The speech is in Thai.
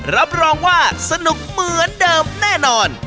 รับรองว่าสนุกเหมือนเดิมแน่นอน